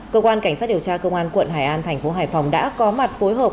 cơ quan cảnh sát điều tra công an quận hải an thành phố hải phòng đã có mặt phối hợp